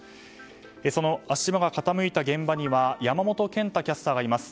その足場が傾いた現場には山本賢太キャスターがいます。